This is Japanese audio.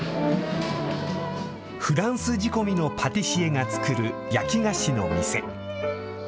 フランス仕込みのパティシエが作る焼き菓子の店。